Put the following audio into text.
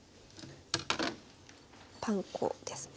パン粉ですね。